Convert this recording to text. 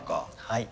はい。